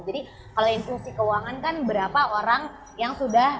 jadi kalau inklusi keuangan kan berapa orang yang sudah